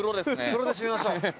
風呂で締めましょう。